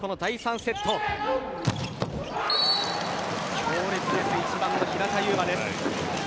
強烈です、１番の平田悠真です。